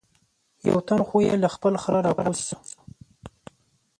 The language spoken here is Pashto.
یو تن خو یې له خپل خره را کوز شو.